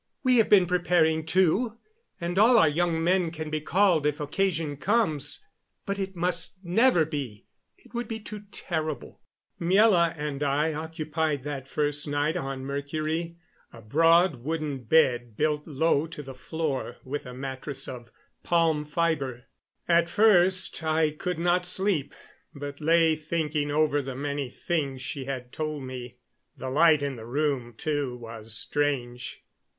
"We have been preparing, too, and all our young men can be called if occasion comes. But that must never be. It would be too terrible." Miela and I occupied, that first night on Mercury, a broad wooden bed built low to the floor, with a mattress of palm fiber. At first I could not sleep, but lay thinking over the many things she had told me. The light in the room, too, was strange.